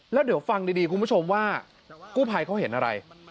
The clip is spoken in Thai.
แล้วเดี๋ยวฟังดีคุณผู้ชมว่ากู้ภัยเขาเห็นอะไร